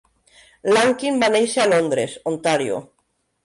Lankin va néixer a Londres, Ontario.